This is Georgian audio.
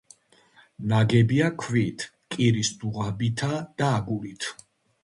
ნაგებია ქვით, კირის დუღაბითა და აგურით.